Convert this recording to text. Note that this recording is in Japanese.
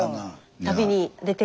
旅に出て。